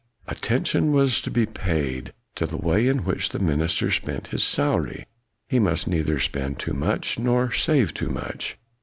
Attention was to be paid to the way in which the minister spent his salary: he must neither spend too much nor save too much.